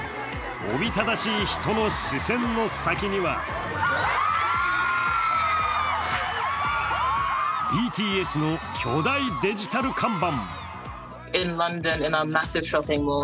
おびただしい人の視線の先にはＢＴＳの巨大デジタル看板。